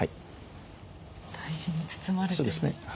大事に包まれていますね。